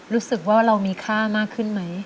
รู้สึกว่าเรามีค่ามากขึ้นไหม